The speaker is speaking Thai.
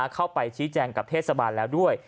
เข้าไปชี้แจงกับเทศบาลแล้วด้วย